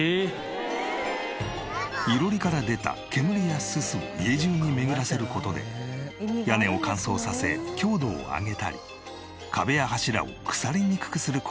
囲炉裏から出た煙やススを家中に巡らせる事で屋根を乾燥させ強度を上げたり壁や柱を腐りにくくする効果があるという。